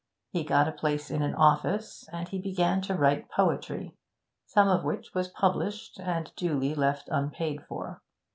He got a place in an office, and he began to write poetry some of which was published and duly left unpaid for.